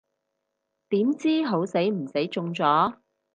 點知好死唔死中咗